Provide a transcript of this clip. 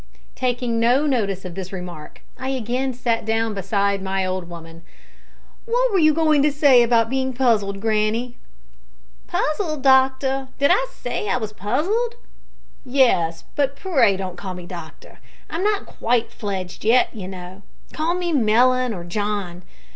Taking no notice of this remark, I again sat down beside my old woman. "What were you going to say about being puzzled, granny?" "Puzzled, doctor! did I say I was puzzled?" "Yes, but pray don't call me doctor. I'm not quite fledged yet, you know. Call me Mellon, or John.